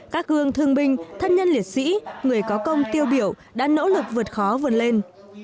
các gương thương binh thân nhân liệt sĩ người có công tiêu biểu đã nỗ lực vượt khó vươn lên